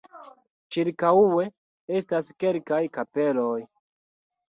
Ĉirkaŭe estas kelkaj kapeloj.